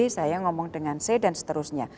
saya ngomong dengan c dan seterusnya